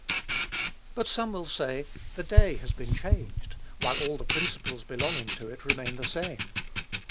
But some will say, "the day has been changed, while all the principles belonging to it remain the same."